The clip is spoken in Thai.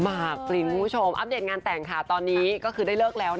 หมากปรินคุณผู้ชมอัปเดตงานแต่งค่ะตอนนี้ก็คือได้เลิกแล้ว